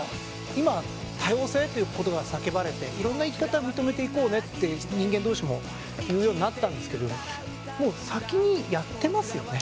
今多様性ということが叫ばれていろんな生き方認めていこうねって人間同士も言うようになったんですけれどももう先にやってますよね。